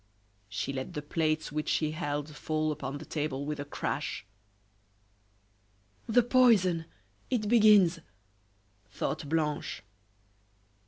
She let the plates which she held fall upon the table with a crash. "The poison! it begins!" thought Blanche.